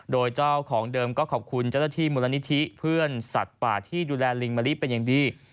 โดยเจ้าของเดิมก็ขอบคุณเจ้าหน้าที่มูลนิธิเพื่อนสัตว์ป่าที่ดูแลลิงมะลิเป็นอย่างดี